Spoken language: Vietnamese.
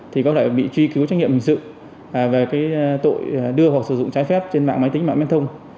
thì có thể bị truy cứu trách nhiệm hình sự về cái tội đưa hoặc sử dụng trái phép trên mạng máy tính mạng miên thông